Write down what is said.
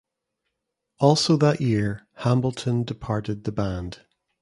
Also that year, Hambleton departed the band.